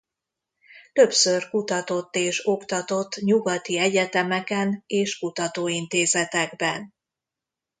Többször kutatott és oktatott nyugati egyetemeken és kutatóintézetekben.